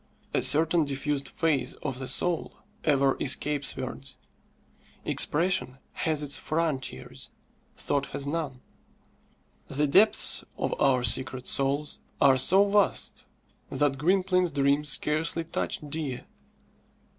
A certain diffused phase of the soul ever escapes words. Expression has its frontiers, thought has none. The depths of our secret souls are so vast that Gwynplaine's dreams scarcely touched Dea.